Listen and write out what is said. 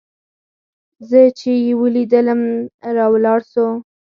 زه چې يې وليدلم راولاړ سو.